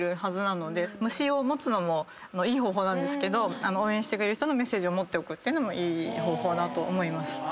虫を持つのもいい方法ですけど応援してくれる人のメッセージを持っておくっていうのもいい方法だと思います。